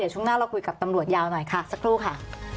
ช่วงหน้าเราคุยกับตำรวจยาวหน่อยค่ะสักครู่ค่ะ